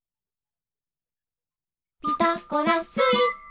「ピタゴラスイッチ」